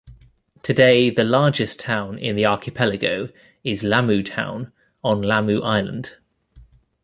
Today the largest town in the archipelago is Lamu Town, on Lamu Island.